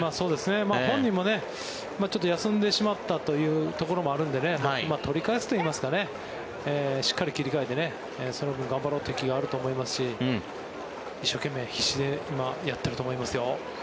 本人もちょっと休んでしまったというところもあるので取り返すといいますかねしっかり切り替えてその分頑張ろうという気があると思いますし一生懸命、必死で今、やってると思いますよ。